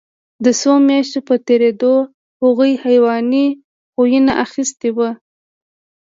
د څو میاشتو په تېرېدو هغوی حیواني خویونه اخیستي وو